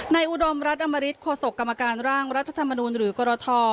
อุดมรัฐอมริตโฆษกกรรมการร่างรัฐธรรมนูลหรือกรท